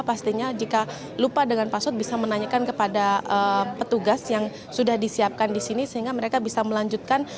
pastinya jika lupa dengan password bisa menanyakan kepada petugas yang sudah disiapkan di sini sehingga mereka bisa melanjutkan